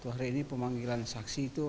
hari ini pemanggilan saksi itu